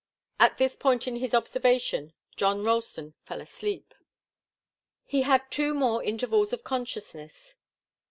At this point in his observation John Ralston fell asleep. He had two more intervals of consciousness.